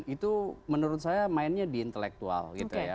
itu menurut saya mainnya di intelektual